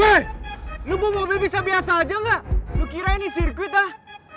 weh lo bawa mobil bisa biasa aja gak lo kira ini sirkuit ah